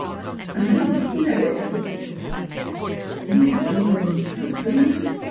I'm an American." Is your husband ?